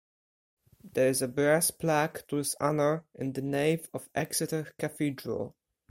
There is a brass plaque to his honour in the Nave of Exeter Cathedral.